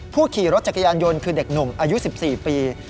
ขี่รถจักรยานยนต์คือเด็กหนุ่มอายุ๑๔ปี